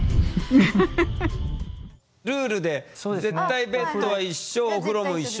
ルールで絶対ベッドは一緒お風呂も一緒。